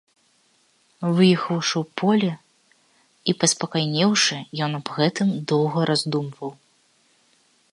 Выехаўшы ў поле і паспакайнеўшы, ён аб гэтым доўга раздумваў.